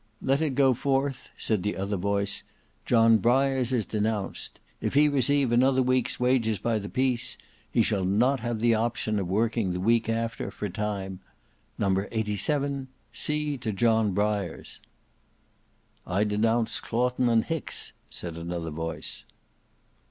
"Let it go forth," said the other voice; "John Briars is denounced. If he receive another week's wages by the piece, he shall not have the option of working the week after for time. No.87, see to John Briars." "I denounce Claughton and Hicks," said another voice.